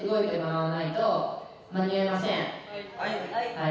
はい！